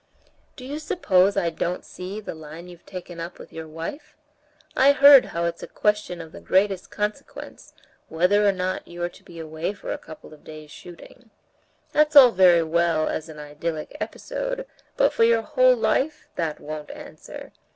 "Do you suppose I don't see the line you've taken up with your wife? I heard how it's a question of the greatest consequence, whether or not you're to be away for a couple of days' shooting. That's all very well as an idyllic episode, but for your whole life that won't answer.